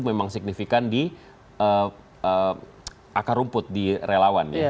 memang signifikan di akar rumput di relawan ya